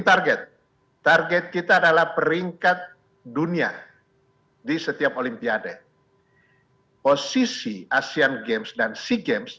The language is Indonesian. target target kita adalah peringkat dunia di setiap olimpiade posisi asean games dan sea games